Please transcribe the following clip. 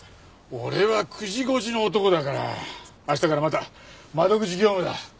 俺は９時５時の男だから明日からまた窓口業務だ。